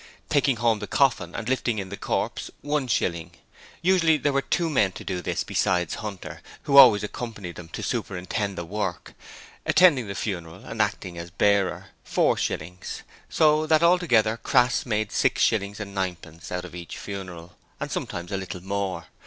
Taking home the coffin and lifting in the corpse, one shilling usually there were two men to do this besides Hunter, who always accompanied them to superintend the work attending the funeral and acting as bearer, four shillings: so that altogether Crass made six shillings and ninepence out of each funeral, and sometimes a little more.